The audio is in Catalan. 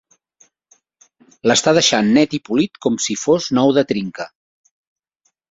L'està deixant net i polit com si fos nou de trinca.